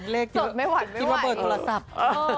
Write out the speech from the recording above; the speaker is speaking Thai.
เลขจนไม่หวั่นไม่หวั่นกินว่าเปิดโทรศัพท์